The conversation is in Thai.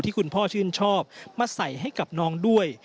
คุณพ่อชื่นชอบมาใส่ให้กับน้องด้วย